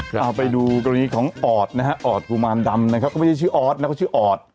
เอาไปดูกรณีของออดนะฮะออดกุมารดำนะครับก็ไม่ใช่ชื่อออสนะเขาชื่อออด